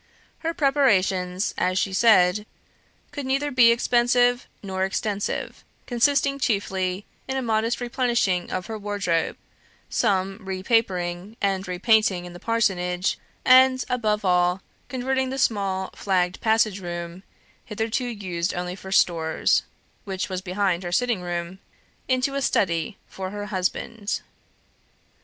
Her preparations, as she said, could neither be expensive nor extensive; consisting chiefly in a modest replenishing of her wardrobe, some re papering and re painting in the Parsonage; and, above all, converting the small flagged passage room, hitherto used only for stores (which was behind her sitting room), into a study for her husband.